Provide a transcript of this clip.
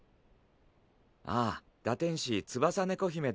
ああ堕天使・翼猫姫です。